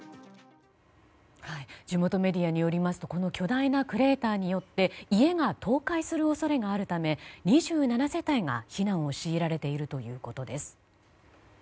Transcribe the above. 地元メディアによりますとこの巨大なクレーターによって家が倒壊する恐れがあるため２７世帯が避難を強いられているということです。